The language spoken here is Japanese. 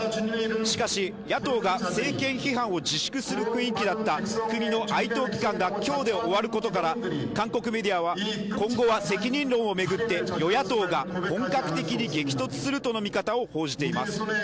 しかし野党が政権批判を自粛する雰囲気だった国の哀悼期間が今日で終わることから韓国メディアは、今後は責任論を巡って与野党が本格的に激突するとの見方を報じています。